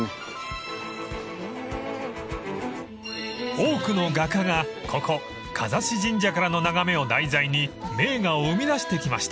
［多くの画家がここ香指神社からの眺めを題材に名画を生み出してきました］